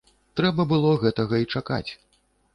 Трэба было гэтага і чакаць.